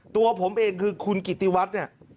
ตัวผมเองคือคุณกิตติวัตร